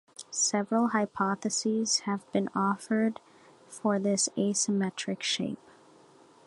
Several hypotheses have been offered for this asymmetric shape.